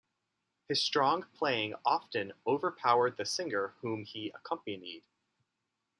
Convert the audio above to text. His strong playing often overpowered the singer whom he accompanied.